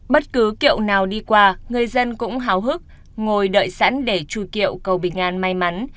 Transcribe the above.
bất cứ kiệu nào đi qua người dân cũng hào hức ngồi đợi sẵn để chui kiệu cầu bình an may mắn